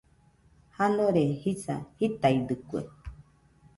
Janore jisa jitaidɨkue.